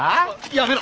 やめろ！